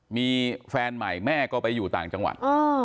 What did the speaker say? มีแฟนใหม่แม่ก็ไปอยู่ต่างจังหวัด